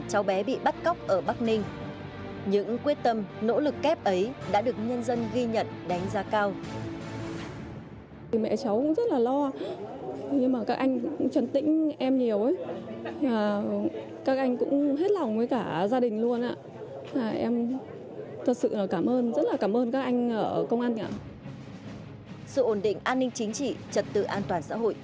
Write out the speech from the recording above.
sự ổn định an ninh chính trị trật tự an toàn xã hội